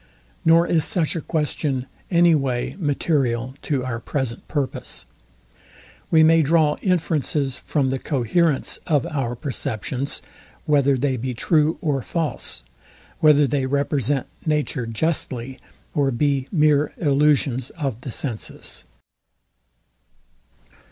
Nor is such a question any way material to our present purpose. We may draw inferences from the coherence of our perceptions, whether they be true or false; whether they represent nature justly, or be mere illusions of the senses.